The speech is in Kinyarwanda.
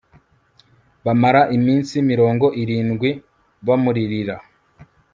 bamara iminsi mirongo irindwi bamuririra